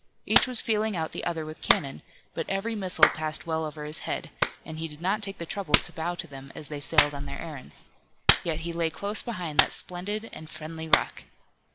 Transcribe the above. Each was feeling out the other with cannon, but every missile passed well over his head, and he did not take the trouble to bow to them as they sailed on their errands. Yet he lay close behind that splendid and friendly rock.